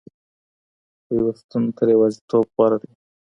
پيوستون تر يوازيتوب غوره دی.